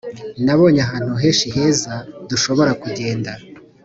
nabonye ahantu henshi heza dushobora kugenda